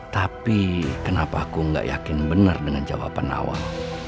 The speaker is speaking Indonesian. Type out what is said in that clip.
tapi kenapa aku gak yakin bener dengan jawaban nawang